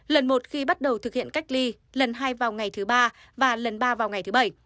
lần một khi bắt đầu thực hiện cách ly lần hai vào ngày thứ ba và lần ba vào ngày thứ bảy